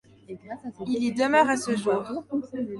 Il y demeure à ce jour.